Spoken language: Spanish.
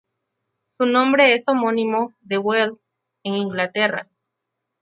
Su nombre es homónimo de Wells en en Inglaterra.